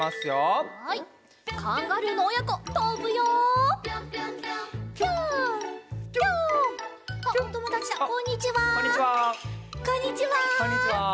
こんにちは。